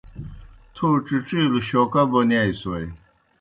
تھو ڇِڇِیلوْ شوکا بونِیائےسوئے۔